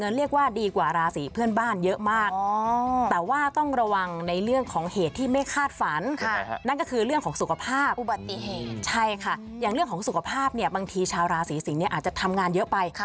ใช่ค่ะอย่างเรื่องของสุขภาพบางทีชาวราศรีสิงห์อาจจะทำงานเยอะไป